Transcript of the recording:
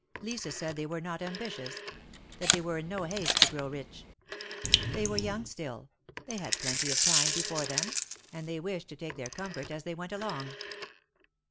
Lisa said they were not ambitious — that they were in no haste to grow rich. They were young still — they had plenty of time before them, and they wished to take their comfort as they went along.